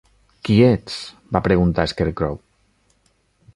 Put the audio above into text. Qui ets? va preguntar Scarecrow.